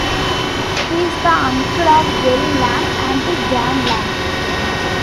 He is the uncle of Jerry Lamb and Jan Lamb.